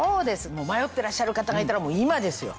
迷ってらっしゃる方がいたら今ですよ。